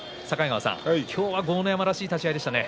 今日は豪ノ山らしい立ち合いでしたね。